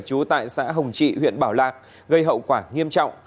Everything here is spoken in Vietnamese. trú tại xã hồng trị huyện bảo lạc gây hậu quả nghiêm trọng